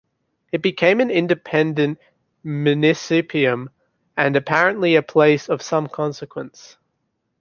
It became an independent "municipium", and apparently a place of some consequence.